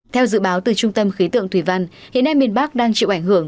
theo dự báo từ trung tâm khí tượng thủy văn hiện nay miền bắc đang chịu ảnh hưởng